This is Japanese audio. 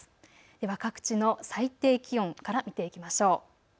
では各地の最低気温から見ていきましょう。